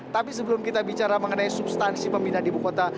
tapi sebelum kita bicara mengenai substansi pemindahan ibu kota